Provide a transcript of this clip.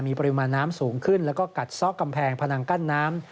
มีปริมาณน้ำสูงขึ้นแล้วก็กัดซ่อกำแพงพนังกั้นน้ำ